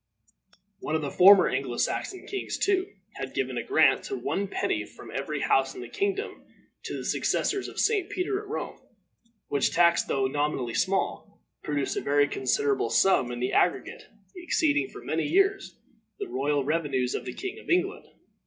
One of the former Anglo Saxon kings, too, had given a grant of one penny from every house in the kingdom to the successors of St. Peter at Rome, which tax, though nominally small, produced a very considerable sum in the aggregate, exceeding for many years the royal revenues of the kings of England.